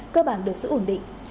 cơ bản được giữ ổn định